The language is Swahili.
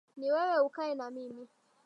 Ni wewe ukae na mimi